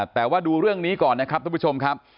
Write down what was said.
แต่ว่าดูเรื่องนี้ก่อนนะครับทุกผู้ชมครับ